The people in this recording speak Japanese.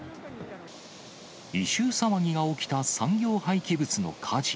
異臭騒ぎが起きた産業廃棄物の火事。